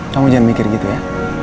kamu jangan mikir gitu ya